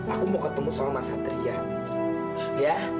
aku mau ketemu sama mas satria ya